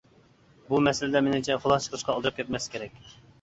بۇ مەسىلىدە مېنىڭچە خۇلاسە چىقىرىشقا ئالدىراپ كەتمەسلىك كېرەك.